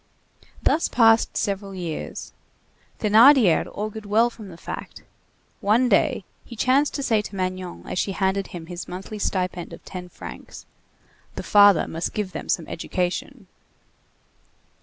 Thus passed several years. Thénardier augured well from the fact. One day, he chanced to say to Magnon as she handed him his monthly stipend of ten francs: "The father must give them some education."